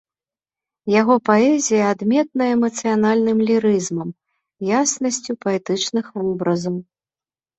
Яго паэзія адметная эмацыянальным лірызмам, яснасцю паэтычных вобразаў.